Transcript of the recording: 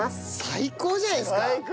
最高じゃないですか。